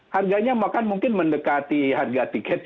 harganya bahkan mungkin mendekati harga tiket